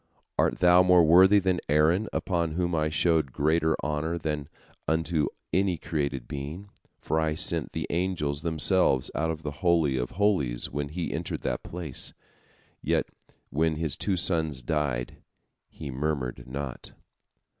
Art thou more worthy than Aaron, unto whom I showed greater honor than unto any created being, for I sent the angels themselves out of the Holy of Holies when he entered the place? Yet when his two sons died, he murmured not."